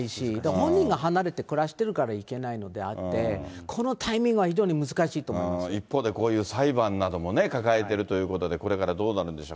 本人が離れて暮らしてるから、いけないのであって、このタイミン一方でこういう裁判などもね、抱えてるということで、これからどうなるんでしょう。